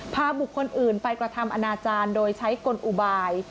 พาบุคคลอื่นไปกระทำอนาจารย์โดยใช้กลอุบาย